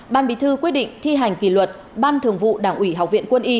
ban bí thư quyết định thi hành kỷ luật ban thường vụ đảng ủy học viện quân y